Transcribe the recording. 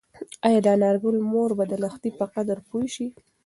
ایا د انارګل مور به د لښتې په قدر پوه شي؟